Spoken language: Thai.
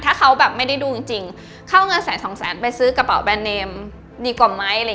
ถ้าเขาแบบไม่ได้ดูจริงเข้าเงินแสนสองแสนไปซื้อกระเป๋าแบรนเนมดีกว่าไหม